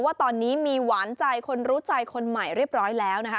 ว่าตอนนี้มีหวานใจคนรู้ใจคนใหม่เรียบร้อยแล้วนะคะ